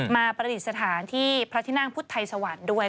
มาประติศาสตร์ที่พระทินางพุทธไทยสวรรค์ด้วย